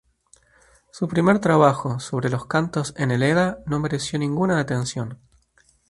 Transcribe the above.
Su primer trabajo, "Sobre los cantos en el Edda", no mereció ninguna atención.